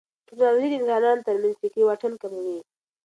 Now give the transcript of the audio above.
ټیکنالوژي د انسانانو ترمنځ فکري واټن کموي.